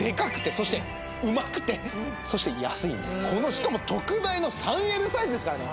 しかも特大の３Ｌサイズですからね。